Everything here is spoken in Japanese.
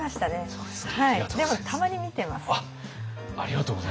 そうですか。